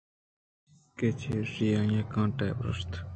کہ چرایشی ءَ آئی ءِ کانٹے پُرٛشت